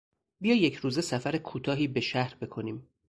بیا یکروزه سفر کوتاهی به شهر بکنیم.